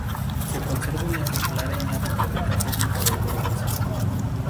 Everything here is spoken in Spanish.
Se conserva un ejemplar en la Biblioteca Pública de Burgos.